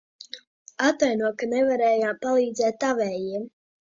Atvaino, ka nevarējām palīdzēt tavējiem.